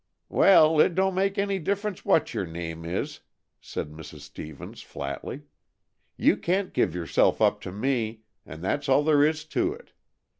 "Well, it don't make any difference what your name is," said Mrs. Stevens flatly. "You can't give yourself up to me, and that's all there is to it.